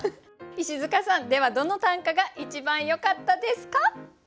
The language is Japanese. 石塚さんではどの短歌が一番よかったですか？